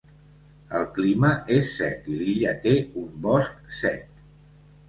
El clima és sec i l'illa té un bosc sec.